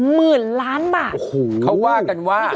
หมื่นล้านบาท